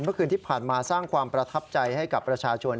เมื่อคืนที่ผ่านมาสร้างความประทับใจให้กับประชาชน